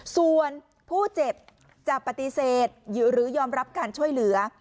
ส่วนผู้เจ็บจะปฏิเสธหรือยอมรับการช่วยเหลือ